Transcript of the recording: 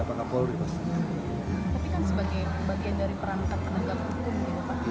tapi kan sebagai bagian dari perangkat penegak hukum